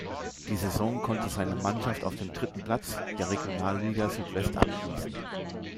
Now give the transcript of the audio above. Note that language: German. Die Saison konnte seine Mannschaft auf dem dritten Platz der Regionalliga Südwest abschließen.